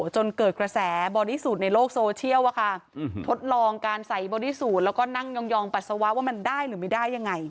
จนเกิดกระแสบอดี้สูตรในโลกโซเชียลทดลองการใส่บอดี้สูตรแล้วก็นั่งยองปัสสาวะว่ามันได้หรือไม่ได้ยังไง